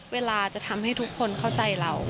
เวลาจะทำให้ทุกคนเข้าใจเรา